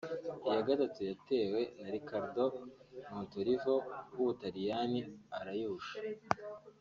Iya gatatu yatewe na Riccardo Montolivo w’u Butaliyani arayihusha